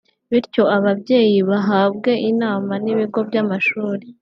bityo ababyeyi bahabwe inama n’ibigo by’amashuri